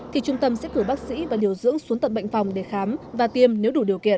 thì trung tâm sẽ cử bác sĩ và điều dưỡng xuống tận bệnh phòng để khám và tiêm nếu đủ điều kiện